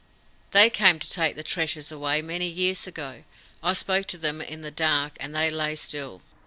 "They came to take the treasure away many years ago. I spoke to them in the dark, and they lay still."